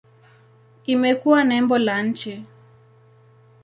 Imekuwa nembo la nchi.